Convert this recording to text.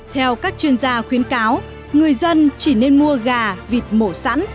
theo các chuyên gia khuyến cáo người dân chỉ nên mua gà vịt mổ sẵn